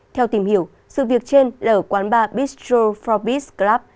theo tìm hiểu sự việc trên là ở quán bar bushro forbis club